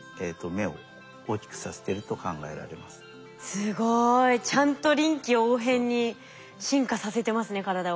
すごい。ちゃんと臨機応変に進化させてますね体を。